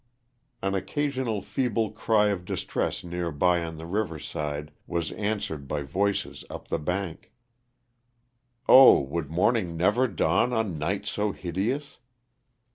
An occasional fee ble cry of distress near by on the river side, was an swered by voices up the bank. Oh, would morning never dawn on night so hideous?